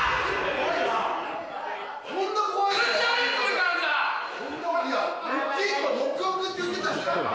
こんな怖いの。